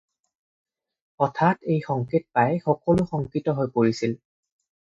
হঠাৎ এই সংকেত পাই, সকলো শংকিত হৈ পৰিছিল।